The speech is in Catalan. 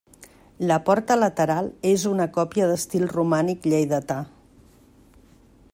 La porta lateral és una còpia d'estil romànic lleidatà.